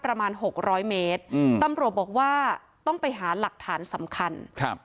หกร้อยเมตรอืมตำรวจบอกว่าต้องไปหาหลักฐานสำคัญครับ